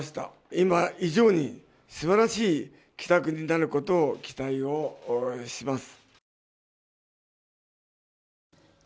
今以上にすばらしい北区になることを期待をします。